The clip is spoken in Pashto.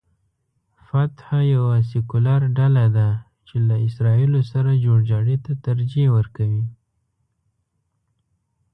فتح یوه سیکولر ډله ده چې له اسراییلو سره جوړجاړي ته ترجیح ورکوي.